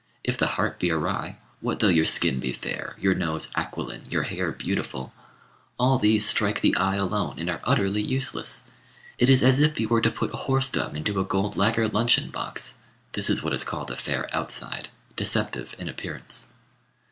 If the heart be awry, what though your skin be fair, your nose aquiline, your hair beautiful? All these strike the eye alone, and are utterly useless. It is as if you were to put horse dung into a gold lacquer luncheon box. This is what is called a fair outside, deceptive in appearance.